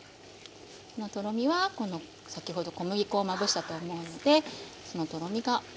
とろみは先ほど小麦粉をまぶしたと思うのでそのとろみが。